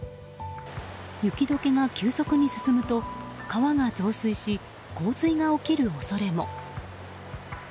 雪解けが急速に進むと川が増水し、洪水が起きる恐れも。